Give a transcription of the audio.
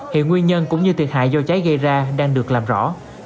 hiện nguyên nhân cũng như thiệt hại do cháy gây ra đang được làm rõ